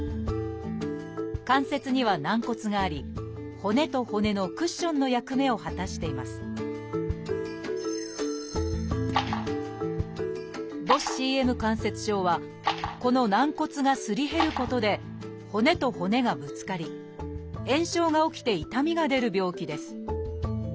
関節には軟骨があり骨と骨のクッションの役目を果たしています「母指ＣＭ関節症」はこの軟骨がすり減ることで骨と骨がぶつかり炎症が起きて痛みが出る病気です。